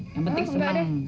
yang penting senang